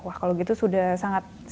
wah kalau gitu sudah sangat